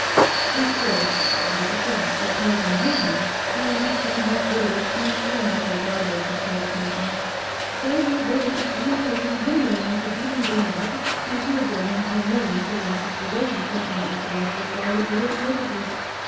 Of course, it was a fact that Pelton'd hit him, and we can't have Literates punched around, regardless of provocation. So we voted to fine Pelton ten million for beating Bayne up, and to award him ten million for losses resulting from unauthorized withdrawal of Literate services.